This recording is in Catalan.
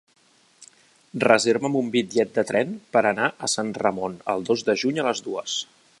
Reserva'm un bitllet de tren per anar a Sant Ramon el dos de juny a les dues.